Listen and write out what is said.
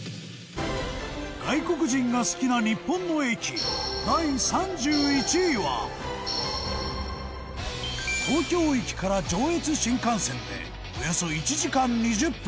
外国人が好きな日本の駅第３１位は東京駅から上越新幹線でおよそ１時間２０分